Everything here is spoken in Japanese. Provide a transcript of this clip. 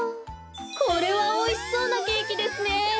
これはおいしそうなケーキですね。